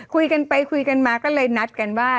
คุยกันไปคุยกันมาก็เลยนัดกันว่า